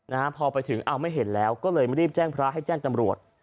นะฮะพอไปถึงเอาไม่เห็นแล้วก็เลยไม่รีบแจ้งพระให้แจ้งจำรวจ